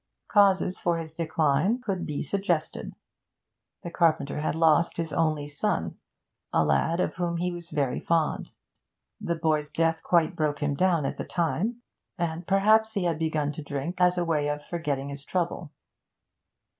Causes for this decline could be suggested. The carpenter had lost his only son, a lad of whom he was very fond; the boy's death quite broke him down at the time, and perhaps he had begun to drink as a way for forgetting his trouble.